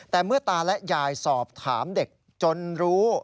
แต่เมื่อตาและยายสอบถามเด็กจนรู้